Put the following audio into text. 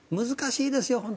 難しいですよ